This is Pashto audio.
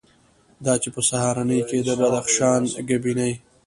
دا چې په سهارنۍ کې یې د بدخشان ګبیني،